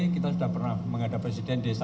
kita sudah pernah menghadapi presiden di sana bogor